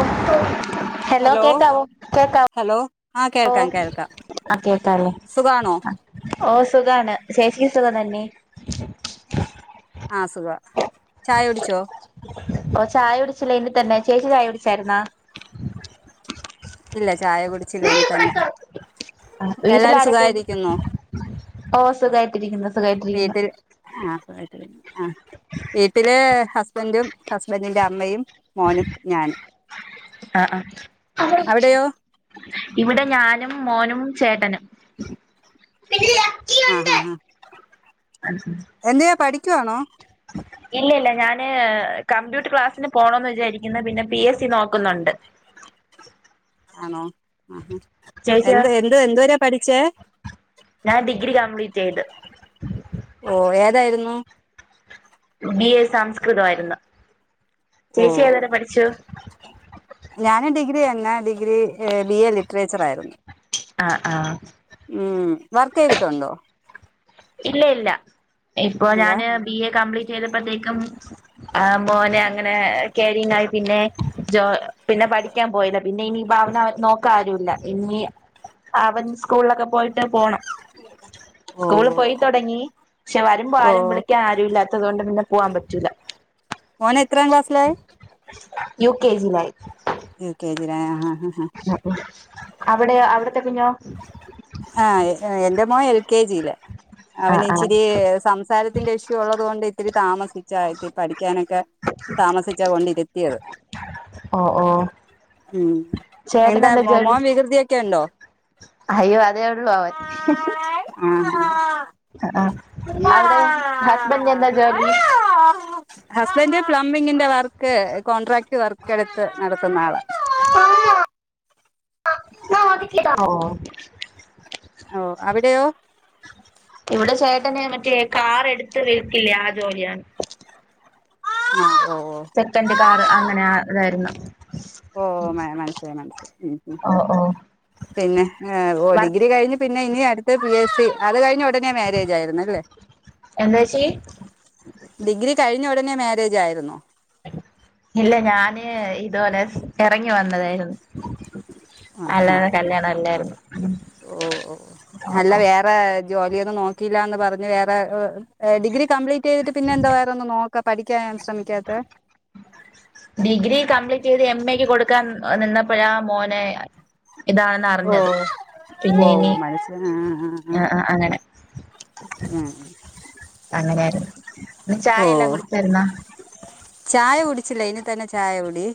ഒത്ത ഹലോ കേക്കാവോ കേക്ക ഹലോ ആ കേൾക്കാം കേൾക്കാം ആ കേക്കല്ലേ സുഖാണോ ഓ സുഖാണ് ശേഷിക്ക സുക തന്നെ ആ സുഖ ചായ ഒടിച്ചോ ഓ ചായ പിടിച്ചില്ല ഇനി തന്നെ ചേച്ചി ചായ പിടിച്ചായിുന്നാ ഇല്ല ചായ കുടിച്ചില്ല ഇനി തന്നെ എല്ലാരും സുഖാരിക്കുന്നു ഓസഖായിട്ടിരിക്കുന്നത് വീട്ടില് ആ വീട്ടില് ആ വീട്ടില് ഹസ്ബൻഡും ഹസ്ബൻഡിന്റെ അമ്മയും മോനും ഞാനും ആഹ ആഹ അവിടെയോ ഇവിടെ ഞാനും മോനും ചേട്ടനും ആ ഹാ് ആ എന്ത് ചെയ്യാ പഠിക്കുവാണോ ഇല്ലല്ല ഞാന് കമ്പ്യൂട്ടർ ക്ലാസ്സിന് പോണന്ന് വിചാരിക്കുന്നു പിന്നെ പി എസ് സി നോക്കുന്നുണ്ട് ആണോ ആ ചേച്ചിയോ എന്ത് എന്ത് എന്ത് വരെയ പഠിച്ചേ ഞാൻ ഡിഗ്രി കംപ്ലീറ്റ് ചെയ്ത് ഓ ഏതായിരുന്നു ബി എ സംസ്കൃതയിരുന്നു ചേച്ചി ഏതരെ പഠിച്ചു ഞാന്ും ഡിഗ്രി തന്ന ഡിഗ്രി ബി എ ലിറ്ററേച്ചർ ആയിരുന്നു ആഹ ആഹ ഉം വർക്ക് ചെയ്തിട്ടുണ്ടോ ഇല്ല ഇല്ല ഇപ്പൊ ഇല്ല ഞാന് ബി എ കംപ്ലീറ്റ് ചെയ്തപ്പോത്തേക്കും ആ് മോനെ അങ്ങനെ കരിീനായി പിന്നെോ പിന്നെ പഠിക്കാൻ പോയില്ല പിന്നെ ഇനി അവൻ അവൻ നോക്കാരുില്ല ഇനി അവൻ സ്കൂളിലൊക്കെ പോയിട്ട് പോണം ഉ സ്കൂള പോയിത്തടങ്ങി പക്ഷെ വരുമ്പോ ആരും ഓ വിളിക്കാൻ ആരും ഇല്ലാത്തതുകൊണ്ട് പിന്നെ പോവാാൻ പറ്റൂില്ല മോന എത്ര ക്ലാസില ക ജിിലായി യ കെ ജിറ ആ അവിടെയോ അവിടത്തെ കുഞ്ഞോ ആ എന്റെ മോൻ എൽ കെ ജി യിൽ ആഹ് അവന് ആഹ് ഇച്ചിരി സംസാരത്തിന്റെ ഇഷ്യൂ ഉള്ളത് കൊണ്ട് ഇത്തിരി താമസിച്ചാ ഇത്തി പഠിക്കാനൊക്കെ താമസിച്ചാ കൊണ്ടിരുത്തിയത് ഓ ഓ ഉം ചേട്ടന് എന്താ മോ ജോലി മോൻ വികൃതിയൊക്കെ ഒണ്ടോ അയ്യോ അതേയുള്ളൂ ആവൻ ആ ആ അവിടെ ഹസ്ബൻഡെന്താ ജോലി? ഹസ്ബൻഡ് പ്ലംബിങ്ങിന്റെ വർക്ക്. കോൺട്രാക്ട് വർക്ക് എടുത്ത് നടത്തുന്ന ആളാ ഓ ഓ അവിടെയോ തന്നെ മറ്റേ കാർ എടുത്ത് വിൽക്കില്ലേ ആ ജോലിയാണ് ആ ഓ സെക്കൻഡ് കാർ ഓ അങ്ങനെ ഇതായിരുന്നു ഓ മന മനസിലായി മനസിലായി ഉം ഓ ഉം ഓ പിന്നെ ഓ ഡിഗ്രി കഴിഞ്ഞ് പിന്നെ ഇനി അടുത്തേ പി എസ് സി അത് കഴിഞ്ഞ ഒടനെ മാരേജ് ആയിരുന്നു അല്ലേ എന്താച്ചി ഡിഗ്രി കഴിഞ്ഞ ഒടൻ പിന്നെ മാരേജ് ആയിരുന്നോ ഇല്ല ഞാന് ഇതുപോലെ എറങ്ങി വന്നതായിരുന്നു ആ ആ അല്ലാതെ കല്യാണം അല്ലായിരുന്നു ഉം ഓ ഓ ഓ അല്ല ഓ വേറെ ജോലിയൊന്നും നോക്കിയില്ലാന്ന് പറഞ്ഞു വേറെ ഡിഗ്രി കപ്ലീറ്റ് ചെയ്തിട്ട് പിന്നെ എന്തുവായിരുന്ന നോക്കി ഒക്കെ പഠിക്കാൻ ശ്രമിക്കാത്തേ ഡിഗ്രി കപ്ലീറ്റ് ചെയ്ത് എം എ ക്ക് കൊടുക്കാൻ നിന്നപ്പോഴാ മോനെ ഇതാണെന്ന് ഓ അറിഞ്ഞത്. ഓ പിന്നെ ഇനി മനസ്സിലായി ആ ആ ആ അങ്ങനെ ഉം അങ്ങനാന് അ ഓ ചായ എല്ലാം കുടിച്ചരുന്നാ ചായ കുടിച്ചില്ല ഇനി തന്നെ ചായകുടി.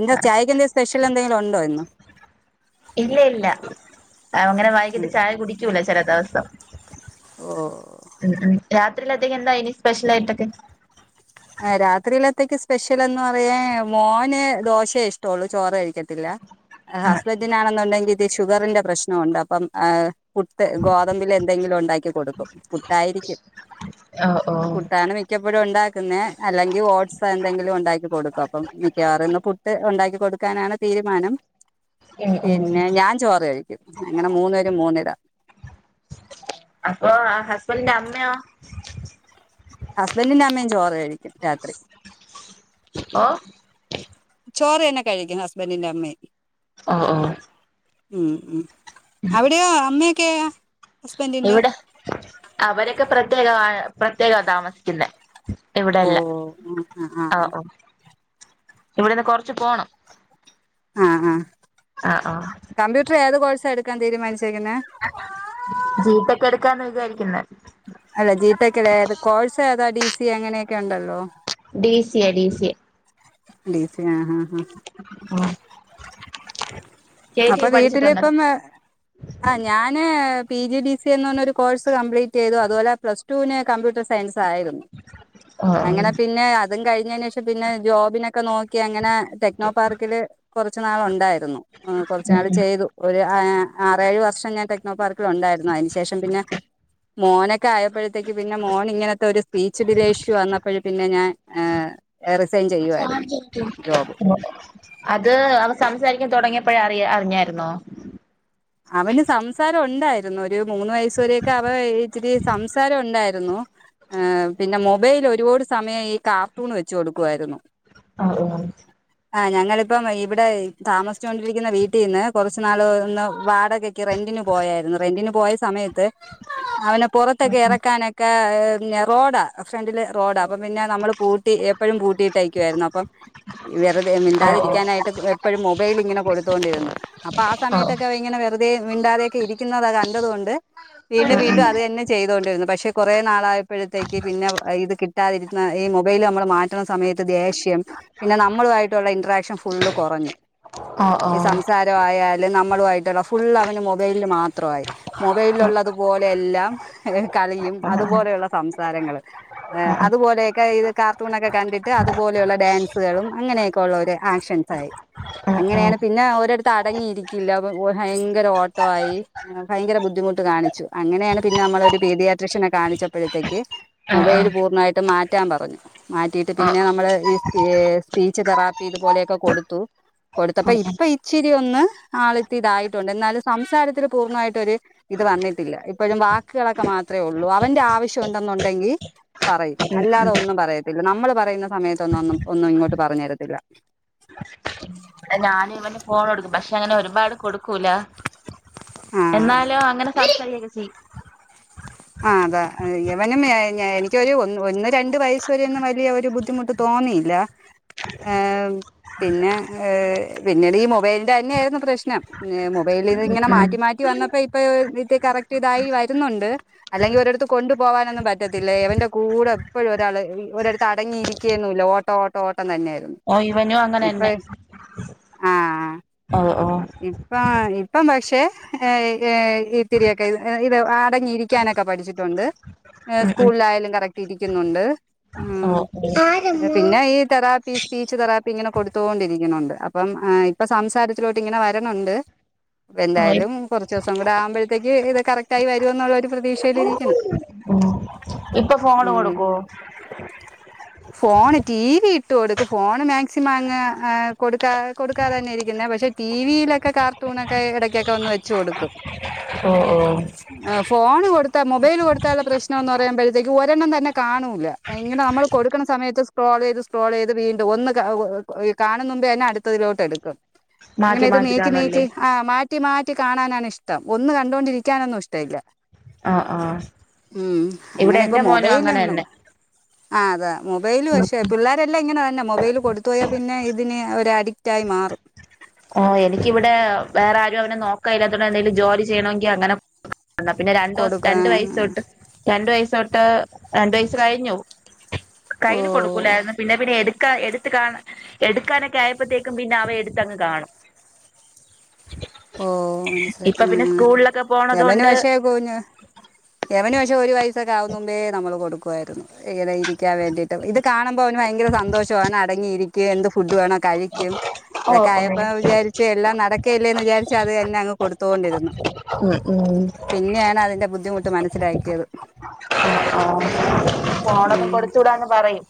എന്താ ചായക്കെന്താ സ്പെഷ്യലെന്തെങ്കിലും ഒണ്ടോ ഇന്ന് ഇല്ല ഇല്ല അങ്ങനെ വൈകിട്ട് ഇല്ല ചായ കുടിക്കൂല ചില ദിവസം ഓ രാത്രിയിലത്തേക്കെന്താ ഇനി സ്പെഷ്യൽ ആയിട്ടൊക്കെ രാത്രിയിലത്തേക്ക് സ്പെഷ്യൽന്ന് പറയാൻ മോന് ദോശയേ ഇഷ്ടൊള്ളു. ചോറ് കഴിക്കത്തില്ല ആഹ് ഹസ്ബൻഡിനാണെന്നുണ്ടെങ്കി ഇത്തി ഷുഗറിന്റെ പ്രശ്നം ഒണ്ട് അപ്പം ആ പുട്ട് ഗോതമ്പില് എന്തെങ്കിലും ഒണ്ടാക്കി കൊടുക്കും പുട്ടായിരിക്കും ഓ ഓ ഉം പുട്ടാണ്‌ മിക്കപ്പോഴും ഉണ്ടാക്ക അല്ലെങ്കിൽ ഓട്സ് എന്തെങ്കിലും ഒണ്ടാക്കി കൊടുക്കും. അപ്പം മിക്കാറും ഇന്ന് പുട്ട് ഒണ്ടാക്കി കൊടുക്കാനാണ് തീരുമാനം ഉം പിന്നെ ഞാൻ ചോറ് കഴിക്കും. അങ്ങനെ മൂന്ന് പേരും മൂന്നിതാ അപ്പൊ ആ ഹസ്ബൻഡിന്റെ അമ്മയോ ഹസ്ബൻഡിന്റെ അമ്മയും ചോറ് കഴിക്കും രാത്രി ഓ ചോറ് തന്നെ കഴിക്കും ഹസ്ബൻഡിന്റെ അമ്മയും ഓ ഓ ഉം ഉം അവിടെയോ അമ്മയൊക്കെയോ ഇവിടെ അവരൊക്കെ പ്രത്യേകവാണ് പ്രത്യേകവാ താമസിക്കുന്നേ ഓ ഇവിടെല്ല ആഹ് ആഹ് ആ ആഹ് ഓ ഇവിടുന്ന് കൊറച്ച് പോണം ആ ആ ആഹ് ആഹ് കമ്പ്യൂട്ടർ ഏത് കോഴ്സാ എടുക്കാൻ തീരുമാനിച്ചേ ജീടെക്ക് എടുക്കാന്ന് വിചാരിക്കുന്നേ അല്ല ജിടെക്കിലേ ഏത് കോഴ്സേതാ ഡി സി അങ്ങനെയൊക്കെ ഒണ്ടല്ലോ D C A D C A D C A ആ ആ ആ അപ്പ ചേച്ചി പഠിച്ചിട്ടുണ്ടോ വീട്ടിലിപ്പം ആ ഞാന് പി ജി ഡി സി എന്ന് പറഞ്ഞ ഒരു കോഴസ് കംപ്ലീറ്റ് റ്റ് ചെയ്തുപോലെ പ്ലസ് ടുവിന് കമ്പ്യൂട്ടർ സയൻസായിരുന്നു ഓ ഓ ഉം അങ്ങനെ പിന്നെ അത് അതും കഴിഞ്ഞതിന് ശേഷം പിന്നെ ജോബിനൊക്കെ നോക്കി അങ്ങനെ ടെക്നോ പാർക്കില് കുറച്ച് നാൾ ഉണ്ടായിരുന്നു ഉം കുറച്ചുനാളി ഉം ചെയ്തു ഒരു ഏ ആറേഴ് വർഷം ഞാൻ ടെക്നോ പാർക്കിൽ ഉണ്ടായിരുന്നു അതിന് ശേഷം പിന്നെ മോനൊക്കെ ആയപ്പോഴത്തേക്ക് പിന്നെ മോൻ ഇങ്ങനത്തെ ഒരു സ്പീച്ച് ഡിലേഷ്യു വന്നപ്പോഴ പിന്നെ ഞാൻ ഏ റിസൈൻ ചെയ്യുവായിരുന്നു ജോബ് അത് അവ സംസാരിക്കാൻ തുടങ്ങിയപ് യപ്പോഴ അറിയ അറിഞ്ഞായിരുന്നോ അവന് സംസാരം ഒണ്ടായിര്ന്നു ഒര് മൂന്ന് വയസ് വരെയൊക്കെ അവ ഇച്ചിരി സംസാരം ഒണ്ടായ് ര്ന്നു ആ പിന്നെ മൊബൈൽ ഒരുപാട് സമയം ഈ കാർട്ടൂണ് വെച്ച് കൊട്ക്കുവായിരുന്നു ആ ഉ ആ ഞങ്ങളിപ്പം ഇവിടെ താമസിച്ചാേണ്ടിരിക്ക്ന്ന വീട്ടീന്ന് കൊർച്ച് നാള് ഒന്ന് വാടകക്ക് റെന്റിന് പോയായിരുന്നു റെന്റിന് പോയ സമയത്ത് അവന പൊറത്തൊക്കെ എറക്കാനൊക്കെ റോഡാ ഫ്രണ്ടില് റോഡാ അപ്പം പിന്നെ നമ്മള് പൂട്ടി എ പ്പഴും പൂട്ടിയിട്ട്യേക്കുവായിരുന്നു അപ്പം വെർതെ ആഹ് മിണ്ടാതിരിക്കാനായിട്ട് എപ്പഴും മൊബൈലിങ്ങനെ കൊട്ത്തോണ്ടിര്ന്ന് അപ്പൊ ആ സമയത്തെ ക്കെങ്ങനെ വെർതേ മിണ്ടാതെയൊക്കെ ഇരിക്ക്ന്നത് കണ്ടത് കൊണ്ട് വീണ്ടും വീണ്ടും അത് തന്നെ ചെയ്തോണ്ടിര്ന്നു പക്ഷേ കൊറേ നാളായപ്പഴത്തേക്ക് പിന്നെ ഇത് കിട്ടാതിരുന്ന ഈ മൊബൈല് നമ്മള് മാറ്റ്ണ സമയത്ത് ദേഷ്യ പിന്നെ നമ്മളു ആയിട്ടുള്ള ഇൻട്രാക്ഷൻ ഫുള്ള് കൊറഞ്ഞു ആഹ് ഓഹ് ആഹ് ഉം ഉം ആഹ് ഈ ഓഹ് സംസാരം ആയാലും ന നമ്മളുമായിട്ട്ള്ള ഫുള്ള അവന് മൊബൈൽല് മാത്രമായി മൊബൈൽല്ള്ളതു പോലെ എല്ലാം കളി യും അത്പോലെയുള്ള സംസാരങ്ങള് അത്പോലെയൊക്കെ ഇത് കാർട്ടൂണൊക്കെ കണ്ടിട്ട് അത്പോലെയുള്ള ഡാൻസ്കളും അങ്ങനെയൊക്കെ ഉള്ളാെര് ആക്ഷൻസായി ആഹ് അങ്ങനെയാണ് പിന്നെ ഓരടത്ത് അടങ്ങിയിരി ക്കില്ല പോ ഭയങ്കര ഓട്ടവായി ഭയങ്കര ബുദ്ധിമുട്ട് കാണിച്ചു അങ്ങനെയാണ് പിന്നെ നമ്മളൊരു ബേബി യാട്രഷനെ കാണിച്ചപ്പഴത്തേക്ക് ആഹ് മൊബൈല് പൂർണ്ണായിട്ടും മാറ്റാം പറഞ്ഞു മാറ്റിയിട്ട് ആഹ് പിന്നെ നമ്മള് സ് ഏ സ്‌പീച്ച് തെറാപ്പി ഇതുപോലെയൊക്കെ കൊട്ത്തു കൊടുത്തപ്പ ആഹ് ഇപ്പൊ ഇച്ചിരി ഒന്ന് ആള്ത്തിതായിട്ടുണ്ട് എന്നാലും സംസാരത്തില് പൂർണ്ണായിട്ടാെര് ഇത് വന്നിട്ടില്ല ഇപ്പഴും വാക്ക്കളൊക്കെ മാത് ത്രേ ഒള്ളൂ അവന്റെ ആവശ്യം ഉണ്ടെന്നുണ്ടെങ്കി പറയും ഉം അല്ലാതെ ഉം ഒന്നും പറയത്തില്ല നമ്മള് പറയ്ന്ന സമയത്തൊന്നും ഒന്നും ഒന്നും ഇങ്ങോട്ട് പറഞ്ഞ് തരത്തില്ല ഞാൻ ഇവന് ഫോണാെട്ക്കും പക്ഷെ അങ്ങനെ ഒരുപാട് കൊട്ക്കൂല ആഹ് എന്നാലും അങ്ങനെ സംസാരിക്കൊക്കെ ചെയ്യും ആ അതാ ഇവനും എനിക്കൊരു ഒന്ന് രണ്ട് വയസ്സ് വരെ ഒന്നും വലിയ ഒരു ബുദ്ധിമുട്ട് തോ തോന്നിയില്ല ഏ പിന്നെ ഈ പിന്നീട് ഈ മൊബൈലിന്റെ തന്നെയായിര്ന്നു പ്രശ്നം ഏ മൊ മൊബൈലില് ഇങ്ങനെ മാറ്റി മാറ്റി വന്നപ്പോ ഇപ്പൊ ഇത് കറക്റ്റ്തായി വര്ന്നുണ്ട് അല്ലെങ്കി ഒരെടത്ത് കൊണ്ടു പോകാനൊന്നും പറ്റത്തില്ല ഇവന്റെ കൂടെ എപ്പഴും ഒരാള് ഒരെടത്ത് അടങ്ങിയിരിക്കെയൊന്നുല്ല ഓട്ടോ ഓട്ടോ ഓട്ടം തന്നെയാ ഓ ഇവനും അങ്ങനെന്നെ അ ആ ഇപ്പൊ ആ ഇപ്പം പക്ഷേ ഏ ഏ ഇത്തിരിയൊക്കെ എ ഇത് അടങ്ങിയിരിക്കാനൊക്കെ പഠിച്ചിട്ടു ണ്ട് ഏ ഉം സ്കൂളിലായാലും കറക്റ്റ് ഇരിക്കുന്നുണ്ട് ഉം എ പിന്നെ ഈ തറാപീസ് സ്പീച്ച് തെറാപ്പി ഇങ്ങനെ കൊട്ത്തോണ്ടിരിക്ക്ണുണ്ട് അപ്പം ഇപ്പൊ സംസാരത്തിലോട്ടിങ്ങനെ വര്ന്നുണ്ട് പ്പൊ ഉം എന്തായാലും കൊർച്ചോസം കൂടെ ആവുമ്പഴത്തേക്ക് ഇത് കറക്റ്റായി വരുംന്നുള്ള ഒര് പ്രതീക്ഷയിലിരിക്കന്ന് ഉ ഉ ഇപ്പൊ ഫോണ് കൊട്ക്കോ ഫോണ് ടീവി ഇട്ട് കൊടുക് ഫോണ് മാക്സിമം അങ്ങ് എ കൊട്ക്കാ കൊട്ക്കാതെ തന്നെ ഇരിക്ക്ന്നെ പക്ഷെ ടീവിയിലൊക്കെ കാർട്ടൂണൊക്കെ എടക്കൊക്കെ ഒന്ന് വെച്ച് കൊട്ക്കും ഓഹ് ഓഹ് ആ ഫോണ് കൊട് ത്ത മൊബൈല് കൊടുത്താൽള്ള പ്രശ്നം എന്ന് പറയുമ്പഴത്തേക്ക് ഒരെണ്ണം തന്നെ കാണൂല്ല ഇങ്ങനെ നമ്മള് കൊട്ക്ക്ണ സമയത്ത് സ് ക്രോളെയ്ത് സക്രോളെയ്ത് വീണ്ടും ഒന്ന് കാ കാണുന്നുമ്പേ തന്നെ അടുത്തതിലോട്ട് എട്ക്കും ഇങ്ങനെ മാറ്റി ഇത് മാറ്റി നീക്കി നീക്കി കാണുവല്ലേ ആ മാറ്റി മാറ്റി കാണാനാണ് ഇഷ്ടം ഒന്ന് കണ്ടാേണ്ടിരിക്കാനൊന്നും ഇഷ്ടവില്ല ആഹ് ആഹ് ഉം ഇവിടെ അങ്ങനെ ഇപ്പൊ എന്റെ മോനും മൊബൈല് അങ്ങനെ തന്നെ ആ അതാ മൊബൈല് പക്ഷെ പിള്ളേരെല്ലാം ഇങ്ങനെ തന്നെ മൊബൈല് കൊട്ത്തു പോയാ പിന്നെ ഇതിന് ഒരഡിക്റ്റായി മാറും ഓ എനിക്ക് ഇവ്ടെ വേറെ ആരും അവനെ നോക്കാ ഇല്ലാത്തോണ്ട് എന്തേലും ജോലി ചെയ്യണമെങ്കി അങ്ങനെ എന്നാ പിന്നെ രണ്ട്സ് കൊടുക്ക രണ്ട് ആ. വയസ്സാെട്ട് രണ്ട് വയസ്സാെ ട്ട് രണ്ട് വയസ് കഴിഞ്ഞു കയ്യിൽ ഓ കൊട്ക്കൂലായ്ര്ന്നു പിന്നെ പിന്നെ എട് ക്കെ എടുത്ത് കാണ എടുക്കാനൊക്കെ ആയപ്പൊത്തേക്കും പിന്നെ അവ എടുത്തങ്ങ് കാണും ഓ മനസ്സിലായി ഇപ്പൊ ആ പിന്നെ ആ സ്കൂളിലൊക്കെ പോണത് യവന് കൊണ്ട് പഷേ കുഞ്ഞു യവന് ക്ഷെ ഒരു വയസക്കെ ആകുന്നുമ്പേ നമ്മള് കൊടുക്കുവാരുന്നു ഏത ഇരിക്കാൻ വേണ്ടിട്ട് ഇത് കാണുമ്പ പ്പൊ അവന് ഭയങ്കര സന്തോഷവാണ് അടങ്ങിയിരിക്കേ എന്ത് ഫുഡ് വേണം കഴിക്കും ഓഹ് ഇതൊക്കെ ആയപ്പോ ഓഹ് വിചാരിച്ച് എല്ലാം നടക്കല്ലേന്ന് വിചാരി ച്ചത് തന്നെ അങ്ങ് കൊടുത്തോണ്ടിരുന്നു ഉം ഉം പിന്നെയാണ് അതിറെ ബുദ്ധിമു ട്ട് മനസ്സിലാക്കിയത് ആ ഫോണൊക്കെ ഉം കൊടുത്തൂടാന്ന് പറയും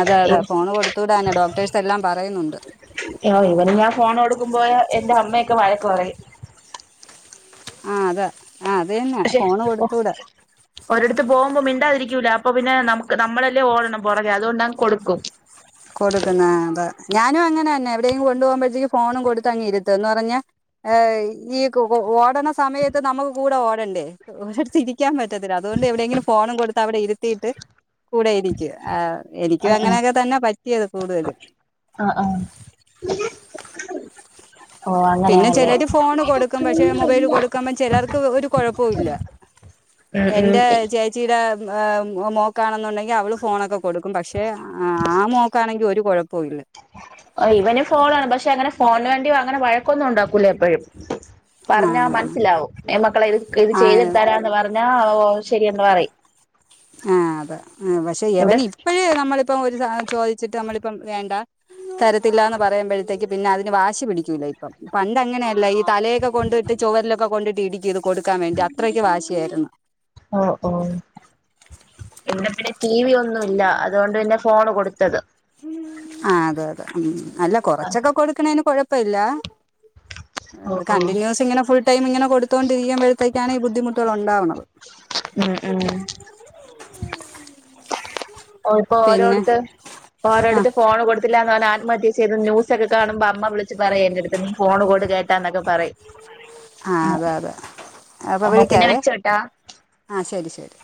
അതെ അതെ ഫോൺ കൊടുത്തുടാന്ന് ഡോക്ടേഴ്സ് എല്ലാം പറയുന്നുണ്ട് [unintelligible] ഇവന് ഞാൻ ഫോണോടുക്കുമ്പോ എന്റെ അമ്മയൊക്കെ വഴക്ക് പറയും. ആഹ് അതെ. ആ അത് തന്നെ പക്ഷേ ഫോണ് ഓ കൊടുത്തൂടാ ഒരടത്ത് പോമ്പോ മിണ്ടാതിരിക്കൂല അപ്പോ പിന്നെ നമക്ക് നമ്മളെ ല്ല് ഓടണം പൊറകെ അതുകൊണ്ടങ്ങ് കൊടുക്കും. കൊടുക്കുന്ന ആഹ് അതെ. ഞാനും അങ്ങനെ തന്നെ എവിടെങ്കും കൊണ്ടു പോകുമ്പഴത്തേക്ക് ഫോണും കൊടുത്ത് അങ്ങ് ഇരുത്തും, എന്ന് പറഞ്ഞ ഏഹ് ഈ കൊ കൊ [unintelligible] ഓടണ സമയത്ത് നമ്മക്ക് കൂടെ ഓടണ്ടേ, ഒ ഒരിടത്ത് ഇരിക്കാൻ പറ്റത്തില്ല, അതുകൊണ്ട് എവിടെയെങ്കിലും ഫോണും കൊടുത്ത് അവിടെ ഇരുത്തിട്ട് കൂടെ ഇരിക്കും, ആഹ് എനിക്കും ആഹ് അങ്ങനൊക്കെ ആഹ് തന്നെ പറ്റ് [unintelligible] കൂടുതലും. ആഹ് ആഹ് ഓ പിന്നെ അങ്ങനെയാണല്ലേ ചെലര് ഫോണ് കൊടുക്കും, പക്ഷേ മൊബൈല് കൊടുക്കമ്പം ചെലർക്ക് ഒരു കൊഴപ്പോല്ല. ഉം ഉം എന്റെ ചേച്ചീടെ മ് ഏഹ് മോക്കാണെന്നുണ്ടെങ്കിൽ അവള് ഫോണൊക്കെ കൊടുക്കും, പക്ഷേ ആ മോക്കാണെങ്കിൽ ഒരു കൊഴപ്പോല്ല. ഒ ഇവനും ഫോണ് വേണം പക്ഷേ അങ്ങനെ ഫോണിന് വേണ്ടി അങ്ങനെ വഴക്കൊന്നും ഒണ്ടാക്കൂല എപ്പഴും. പറഞ്ഞാ ആഹ് മനസ്സിലാവും, മക്കളെ ഇത് ഇത് ആഹ് ചെയ്തെടുത്താലാന്ന് പറഞ്ഞാ ഓ അത് ശെരിയാന്ന് പറയും. ആഹ് അതെ ഏ പക്ഷേ ഇവിടെ യവന് ഇപ്പഴേ നമ്മളിപ്പ ഒ ഒരു സാധനം ചോദിച്ചിട്ട് നമ്മളിപ്പം വേണ്ട തരത്തില്ലാന്ന് പറയ്മ്പഴ്ത്തേക്ക് പിന്നെ അതിന് വാശി പിടിക്കൂല ഇപ്പം, പണ്ട് അങ്ങനെയല്ല ഈ തലയൊക്കെ കൊണ്ട്ട്ട് ചൊവരിലൊക്കെ കൊണ്ടിട്ട് ഇടിക്കും ഇത് കൊടുക്കാൻ വേണ്ടി അത്രക്ക് വാശിയായിരുന്നു. ഓ ഓഹ് പിന്നെ പിന്നെ ഈ ടി വി ഒന്നുല്ല, അതുകൊണ്ട് പിന്നെ ഫോണ് കൊടുത്തത്. ആഹ് അതെ അതെ മ് അല്ല കൊറച്ചൊക്കെ കൊടുക്കണേന് കൊഴപ്പ ഇല്ല. ഓഹ് ഓഹ് കണ്ടിന്യൂസ് ഇങ്ങനെ ഫുൾ ടൈം ഇങ്ങനെ കൊടുത്തോണ്ടിരിക്കുമ്പഴത്തേ ക്കാണ് ഈ ബുദ്ധിമുട്ടുകള് ഒണ്ടാവുന്നത്. ഉം ഉം ഓഹ് ഇപ്പൊ പിന്നെ ഓരോടുത്ത് ആ ഓരോടുത്ത് ഫോണ് കൊടുത്തില്ലന്ന് പറന്ന് ആത്മഹത്യ ചെയ്ത് ന്യൂസക്കെ കാണുമ്പ അമ്മ വിളിച്ച് പറയെ എന്റെടുത്ത് നീ ഫോൺ കോട് കേട്ടന്നക്ക പറയും ആഹ് അത അത അപ്പ എന്നാ പിന്നെ വിളിക്കാവേ വെച്ചോട്ടാ. ആഹ് ശരി ശരി